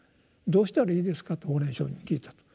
「どうしたらいいですか？」と法然上人に聞いたと。